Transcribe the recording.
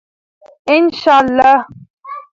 ان شاء الله.